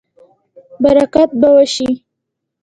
برکت به وشي